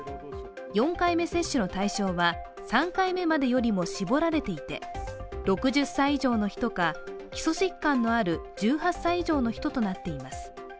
４回目接種の対象は３回目までよりも絞られていて、６０歳以上の人か、基礎疾患のある１８歳以上の人となっています。